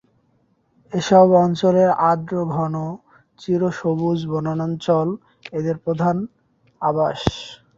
এসব অঞ্চলের আর্দ্র ঘন চিরসবুজ বনাঞ্চল এদের প্রধান আবাস।